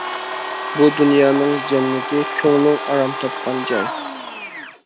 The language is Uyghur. بۇ دۇنيانىڭ جەننىتى كۆڭلۈڭ ئارام تاپقان جاي.